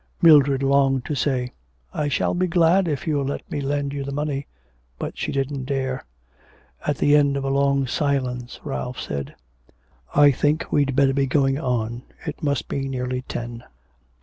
Mildred longed to say, 'I shall be glad if you'll let me lend you the money,' but she didn't dare. At the end of a long silence, Ralph said: 'I think we'd better be going on. It must be nearly ten.'